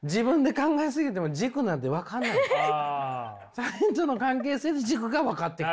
他人との関係性で軸が分かってくる。